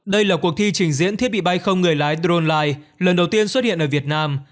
đây là cuộc thi trình diễn thiết bị bay không người lái drone life lần đầu tiên xuất hiện ở việt nam